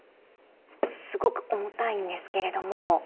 すごく重たいんですけれども。